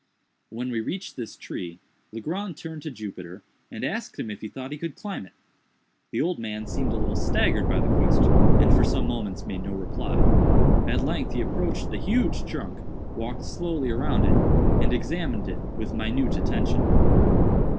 When we reached this tree, Legrand turned to Jupiter, and asked him if he thought he could climb it. The old man seemed a little staggered by the question, and for some moments made no reply. At length he approached the huge trunk, walked slowly around it, and examined it with minute attention.